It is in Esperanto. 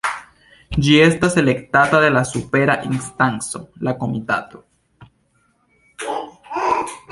Ĝi estas elektata de la supera instanco, la Komitato.